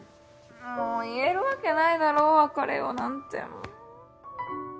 もう言えるわけないだろ別れようなんて。